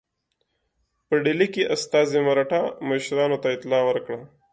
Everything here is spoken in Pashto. په ډهلي کې استازي مرهټه مشرانو ته اطلاع ورکړه.